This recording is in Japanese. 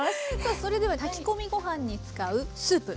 それでは炊き込みご飯に使うスープ。